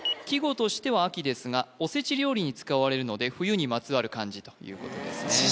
季語としては秋ですがおせち料理に使われるので冬にまつわる漢字ということですね